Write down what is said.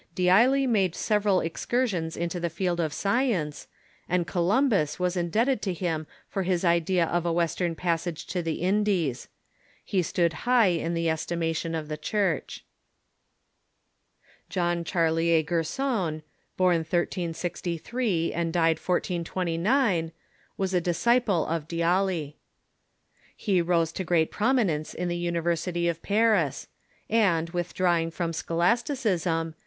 D'Ailly made several excursions into the field of science, and Columbus Avas indebted to him for his idea of a western passage to the Indies. He stood high in the estimation of the Church. John Charlier Gerson, born 1363 and died 1429, was a dis ciple of D'Ailly. He rose to great prominence in the Uni versity of Paris, and, withdrawing from scholasticism, Gerson